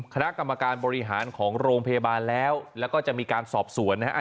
คณะกรรมการบริหารของโรงพยาบาลแล้วแล้วก็จะมีการสอบสวนนะฮะ